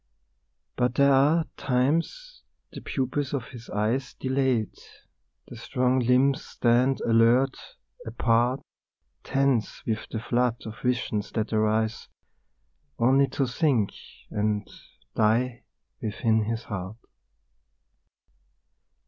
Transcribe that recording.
But there are times the pupils of his eyes Dilate, the strong limbs stand alert, apart, Tense with the flood of visions that arise Only to sink and die within his heart.